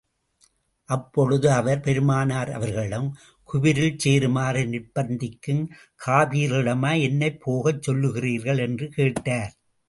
அப்பொழுது அவர் பெருமானார் அவர்களிடம், குபிரில் சேருமாறு நிர்ப்பந்திக்கும் காபிர்களிடமா, என்னைப் போகச் சொல்லுகிறீர்கள்? என்று கேட்டார்.